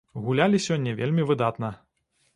Гулялі сёння вельмі выдатна.